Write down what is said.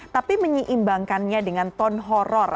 tapi menyeimbangkannya dengan tone horror